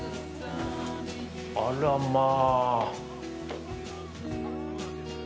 あらまあ。